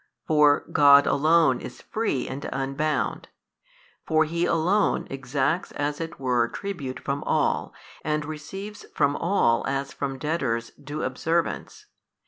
For God Alone is free and unbound: for He Alone exacts as it were tribute from all, and receives from all as from debtors due observance.